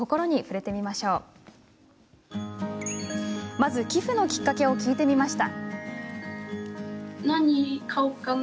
まず寄付のきっかけを伺いました。